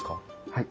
はい。